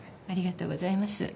ありがとうございます。